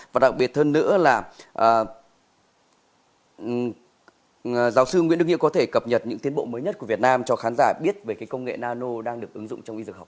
và đặc biệt hơn nữa là giáo sư nguyễn đức nghĩa có thể cập nhật những tiến bộ mới nhất của việt nam cho khán giả biết về cái công nghệ nano đang được ứng dụng trong trường học